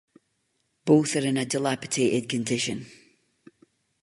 Both are in a dilapidated condition.